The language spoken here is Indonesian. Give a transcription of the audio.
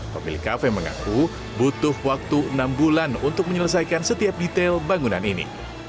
pemilik kafe mengaku butuh waktu enam bulan untuk menyelesaikan setiap detail bangunan ini